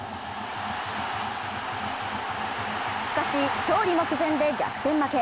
しかし、勝利目前で逆転負け。